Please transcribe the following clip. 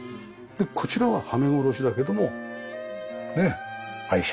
こちらははめ殺しだけどもねっ愛車。